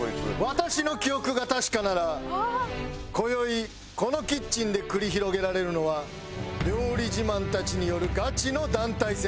私の記憶が確かなら今宵このキッチンで繰り広げられるのは料理自慢たちによるガチの団体戦。